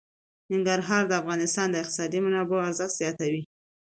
ننګرهار د افغانستان د اقتصادي منابعو ارزښت زیاتوي.